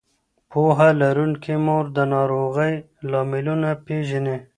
پوهه لرونکې مور د ناروغۍ لاملونه پېژني.